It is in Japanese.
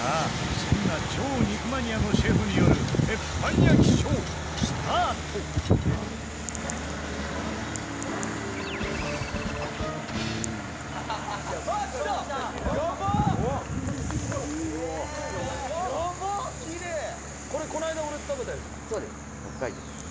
そんな超肉マニアのシェフによる鉄板焼きショー、スタート林さん：北海道ですね。